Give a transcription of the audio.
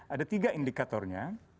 ada tiga indikatornya